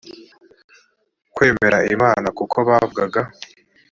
kwemera imana kuko bavugaga